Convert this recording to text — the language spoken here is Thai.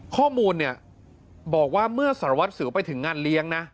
ข้อมูลเนี่ยบอกว่าเมื่อสารวัสสิวไปถึงงานเลี้ยงนะ